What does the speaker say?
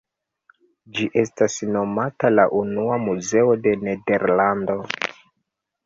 Ĝi estas nomata la unua muzeo de Nederlando.